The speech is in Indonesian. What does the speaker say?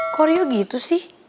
kok rio gitu sih